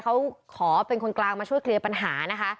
เขาขอเป็นคนกลางมาช่วยเคลียร์ปัญหานะคะ